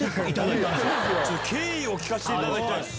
経緯を聞かせていただきたいです。